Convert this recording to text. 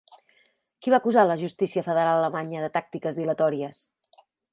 Qui va acusar la justícia federal alemanya de tàctiques dilatòries?